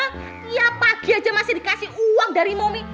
tiap pagi aja masih dikasih uang dari momi